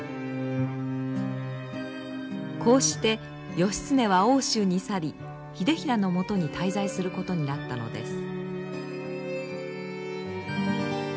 こうして義経は奥州に去り秀衡のもとに滞在することになったのです。